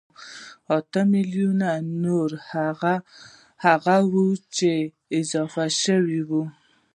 اتيا ميليونه نور هغه وو چې اضافه شوي وو